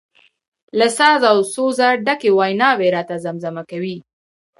له ساز او سوزه ډکې ویناوي راته زمزمه کوي.